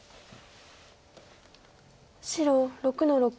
白６の六。